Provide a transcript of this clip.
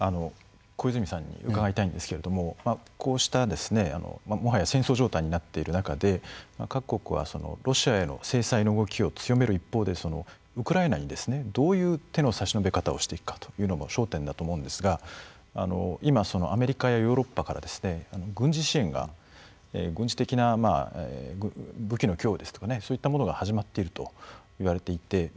小泉さんに伺いたいんですけれどもこうしたもはや戦争状態になっている中で各国はロシアへの制裁の動きを強める一方でウクライナにどういう手の差し伸べ方をしていくかというのも焦点だと思うんですが今アメリカやヨーロッパから軍事支援が軍事的な武器の供与ですとかそういったものが始まっているといわれていて。